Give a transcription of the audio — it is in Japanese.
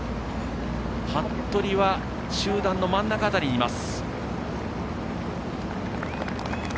服部は集団の真ん中辺りにいます。